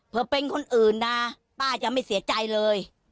เพื่อเป็นคนอื่นนะป้าจะไม่เสียใจเลย